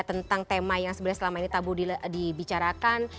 tentang tema yang sebenarnya selama ini tabu dibicarakan